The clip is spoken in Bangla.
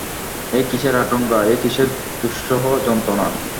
এ কিসের আকাঙক্ষা, এ কিসের দুঃসহ যন্ত্রণা।